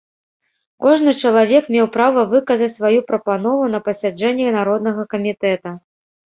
Кожны чалавек меў права выказаць сваю прапанову на пасяджэнні народнага камітэта.